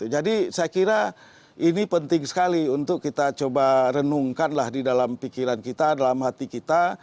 jadi saya kira ini penting sekali untuk kita coba renungkanlah di dalam pikiran kita dalam hati kita